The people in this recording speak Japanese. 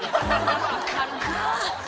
「わかるか」